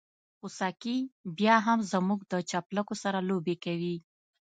خوسکي بيا هم زموږ د چپلکو سره لوبې کوي.